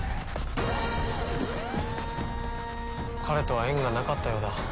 彼とは縁がなかったようだ。